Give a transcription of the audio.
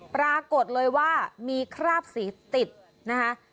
ปรากฏเลยว่ามีคราบสีติดนะคะ